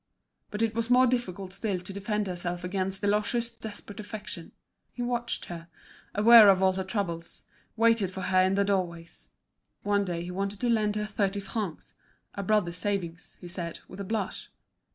But it was more difficult still to defend herself against Deloche's desperate affection; he watched her, aware of all her troubles, waited for her in the doorways. One day he wanted to lend her thirty francs, a brother's savings, he said, with a blush.